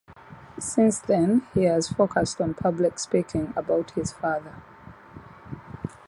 Since then he has focused on public speaking about his father.